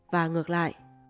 và ngược lại